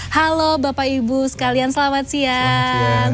halo bapak ibu sekalian selamat siang